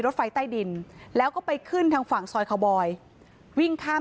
รถไฟใต้ดินแล้วก็ไปขึ้นทางฝั่งซอยคาวบอยวิ่งข้าม